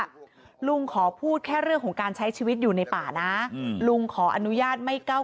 ลุงขอพูดแค่เรื่องของการใช้ชีวิตอยู่ในป่านะลุงขออนุญาตไม่ก้าว